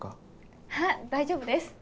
あっ大丈夫です。